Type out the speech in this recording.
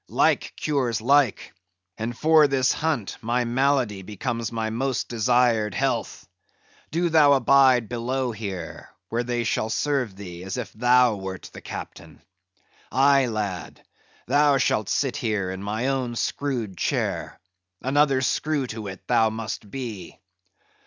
Like cures like; and for this hunt, my malady becomes my most desired health. Do thou abide below here, where they shall serve thee, as if thou wert the captain. Aye, lad, thou shalt sit here in my own screwed chair; another screw to it, thou must be."